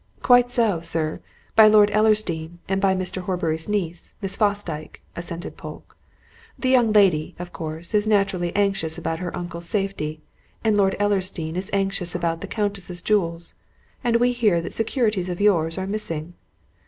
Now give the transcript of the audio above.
"Quite so, sir, by Lord Ellersdeane, and by Mr. Horbury's niece, Miss Fosdyke," assented Polke. "The young lady, of course, is naturally anxious about her uncle's safety, and Lord Ellersdeane is anxious about the Countess's jewels. And we hear that securities of yours are missing."